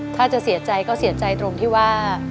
ถ้าจะเสียใจก็เสียใจตรงที่ว่า